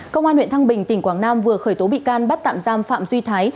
công an huyện thăng bình tỉnh quảng nam vừa khởi tố bị can bắt tạm giam phạm duy thái